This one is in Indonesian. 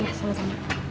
ya selamat pagi